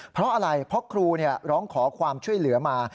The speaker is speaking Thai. เพราะอะไรเพราะครูร้องขอความช่วยเหลือมา